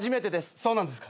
そうなんですか。